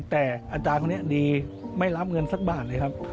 แต่อาจารย์คนนี้ดีไม่รับเงินสักบาทเลยครับ